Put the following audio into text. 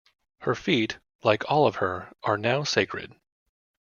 Her feet, like all of her, are now sacred.